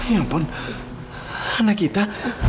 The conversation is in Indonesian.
ya ampun anak kita